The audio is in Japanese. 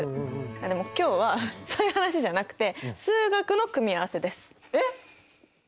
でも今日はそういう話じゃなくて数学の組み合わせです。え！？